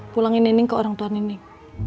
pulangin nining ke orang tua nenek